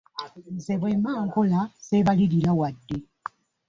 Nze bwe mba nkola sseebalirira wadde.